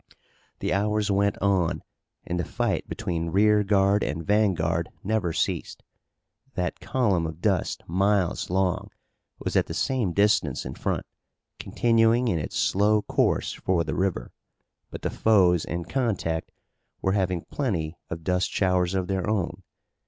The hours went on, and the fight between rear guard and vanguard never ceased. That column of dust miles long was at the same distance in front, continuing in its slow course for the river, but the foes in contact were having plenty of dust showers of their own.